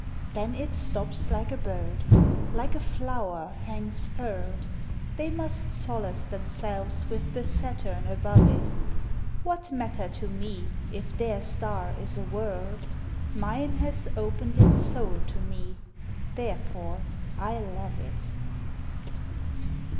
Then it stops like a bird; like a flower, hangs furled: They must solace themselves with the Saturn above it. What matter to me if their star is a world? Mine has opened its soul to me; therefore I love it.